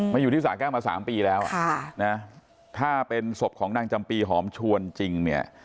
มาอยู่ที่สาขามา๓ปีแล้วถ้าเป็นศพของนางจำปีหอมชวนจริง